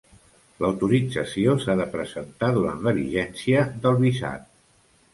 L'autorització s'ha de presentar durant la vigència del visat.